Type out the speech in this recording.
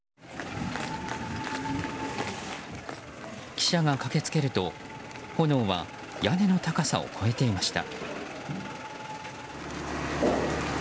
記者が駆けつけると、炎は屋根の高さを越えていました。